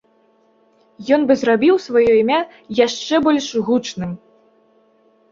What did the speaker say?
Ён бы зрабіў сваё імя яшчэ больш гучным.